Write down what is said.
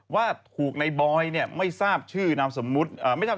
ว่าถูกในบอยไม่ทราบชื่อนามสมสมุทร